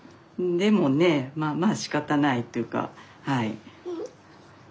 でもねまあまあしかたないというかはい。